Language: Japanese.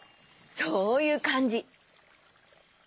そういうかんじ。